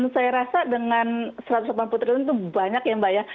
saya rasa dengan satu ratus delapan puluh triliun itu banyak ya mbak ya